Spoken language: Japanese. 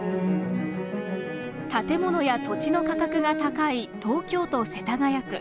建物や土地の価格が高い東京都世田谷区。